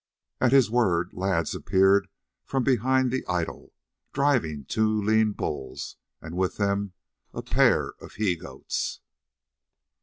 At his word lads appeared from behind the idol, driving two lean bulls, and with them a pair of he goats.